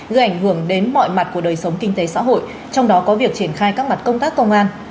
gây ảnh hưởng đến mọi mặt của đời sống kinh tế xã hội trong đó có việc triển khai các mặt công tác công an